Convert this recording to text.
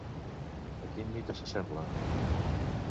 A quin mite s'assembla?